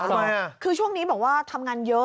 อะไรอ่ะคือช่วงนี้บอกว่าทำงานเยอะ